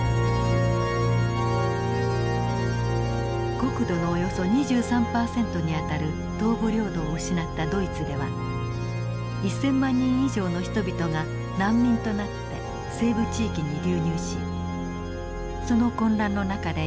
国土のおよそ２３パーセントにあたる東部領土を失ったドイツでは１，０００万人以上の人々が難民となって西部地域に流入しその混乱の中で命を落とした人は１３０万人以上と推定されています。